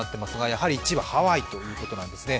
やはり１位はハワイということなんですね。